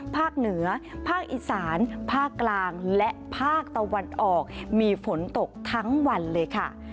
ภาคเหนือภาคอีสานภาคกลางและภาคตะวันออกมีฝนตกทั้งวันเลยค่ะ